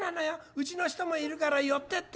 うちの人もいるから寄ってって』。